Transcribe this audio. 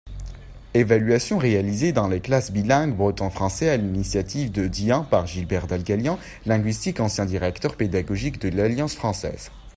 Evaluation réalisée dans les classes bilingues breton- français à l’initiative de Dihun par Gilbert Dalgalian, linguiste, ancien Directeur Pédagogique de l’Alliance Française.